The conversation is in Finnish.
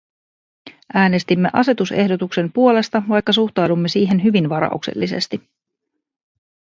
Äänestimme asetusehdotuksen puolesta, vaikka suhtaudumme siihen hyvin varauksellisesti.